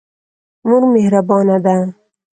مور مهربانه ده.